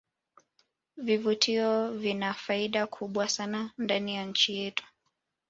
vivutio vina faida kubwa sana ndani ya nchi yetu